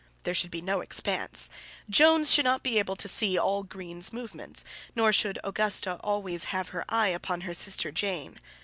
There should be no expanse. Jones should not be able to see all Greene's movements, nor should Augusta always have her eye upon her sister Jane.